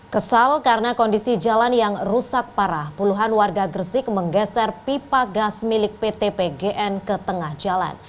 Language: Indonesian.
kesal karena kondisi jalan yang rusak parah puluhan warga gresik menggeser pipa gas milik pt pgn ke tengah jalan